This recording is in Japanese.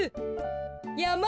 やま！